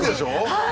はい！